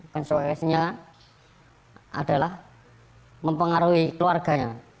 konsekuensinya adalah mempengaruhi keluarganya